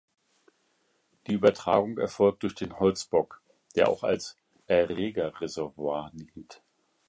Die Übertragung erfolgt durch den Holzbock, der auch als Erregerreservoir dient.